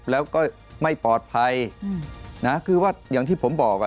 แล้วก็ไม่ปลอดภัยนะคือว่าอย่างที่ผมบอกอ่ะ